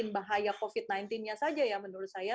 bahaya covid sembilan belas nya saja ya menurut saya